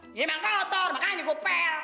ini memang kotor makanya gue pel